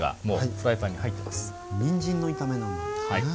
にんじんの炒めなんですね。